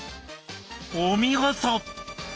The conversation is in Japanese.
お見事！